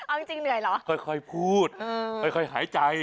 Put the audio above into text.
เอาจริงเหนื่อยเหรอค่อยพูดค่อยหายใจ